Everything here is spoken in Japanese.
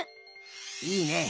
いいね。